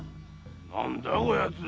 何だこやつ？